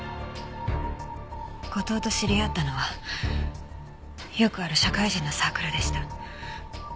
後藤と知り合ったのはよくある社会人のサークルでした。